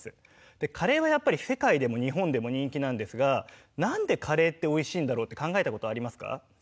でカレーはやっぱり世界でも日本でも人気なんですがなんでカレーっておいしいんだろうって考えたことありますか？